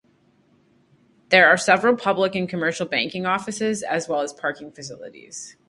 There are several public and commercial banking offices, as well as parking facilities.